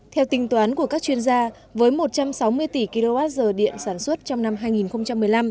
theo tính toán của các chuyên gia với một trăm sáu mươi tỷ kwh điện sản xuất trong năm hai nghìn một mươi năm